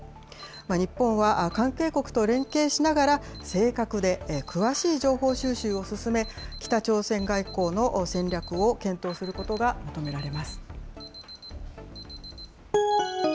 日本は関係国と連携しながら、正確で詳しい情報収集を進め、北朝鮮外交の戦略を検討することが求められます。